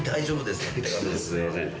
すいませんね。